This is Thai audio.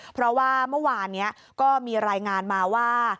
เพราะว่าเมื่อวานนี้ก็มีรายงานมาว่า